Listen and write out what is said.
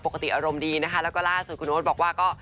อารมณ์ดีนะคะแล้วก็ล่าสุดคุณโอ๊ตบอกว่าก็